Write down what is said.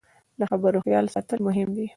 د خبرو خیال ساتل مهم دي